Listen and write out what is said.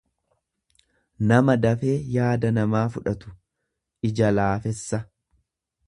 nama dafee yaada namaa fudhatu, ija laafessa.